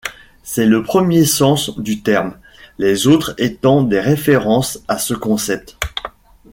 C'est le premier sens du terme, les autres étant des références à ce concept.